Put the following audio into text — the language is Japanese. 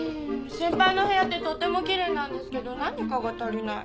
先輩の部屋ってとってもきれいなんですけど何かが足りない。